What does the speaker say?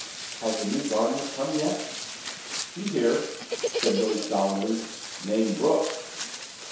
"Has the new gardener come yet?" "He here," said Billy stolidly. "Name Brook."